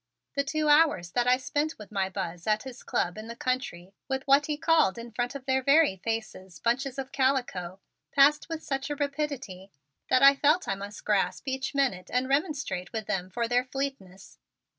The two hours that I spent with my Buzz at his club in the country with what he called in front of their very faces, bunches of calico, passed with such a rapidity that I felt I must grasp each minute and remonstrate with them for their fleetness.